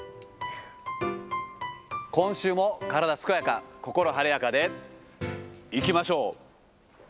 今週も体健やか、心晴れやかでいきましょう。